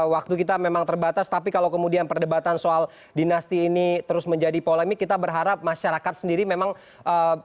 waktu kita memang terbatas tapi kalau kemudian perdebatan soal dinasti ini terus menjadi polemik kita berharap masyarakat sendiri memang